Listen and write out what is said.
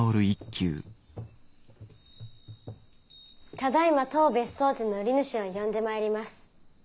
ただいま当別荘地の売り主を呼んでまいります。